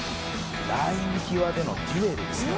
「ライン際でのデュエルですね」